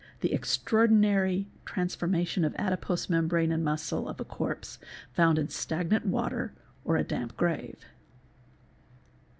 the extraordinary transformation of adipose membrane and muscle of a corpse found in stagnant water or a damp grave.